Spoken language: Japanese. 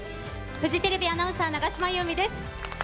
フジテレビアナウンサー永島優美です。